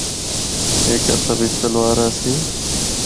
ہک ہتھا بچ تلوار آسی۔